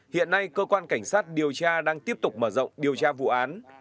hiện nay cơ quan cảnh sát điều tra đang tiếp tục mở rộng điều tra vụ án